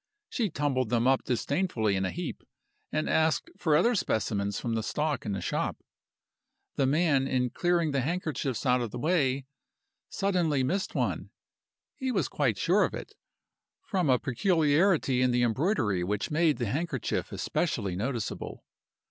She tumbled them up disdainfully in a heap, and asked for other specimens from the stock in the shop. The man, in clearing the handkerchiefs out of the way, suddenly missed one. He was quite sure of it, from a peculiarity in the embroidery which made the handkerchief especially noticeable.